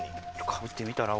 かぶってみたら？